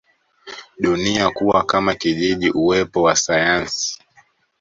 dunia kuwa kama kijiji uwepo wa sayansi